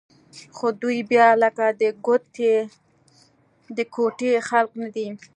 خو دوى بيا لکه د کوټې خلق نه دي.